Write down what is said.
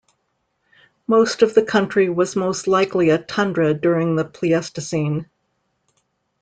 Most of the county was most likely a tundra during the Pleistocene.